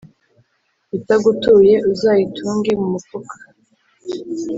itagutuye uzayitunge mu mufuka.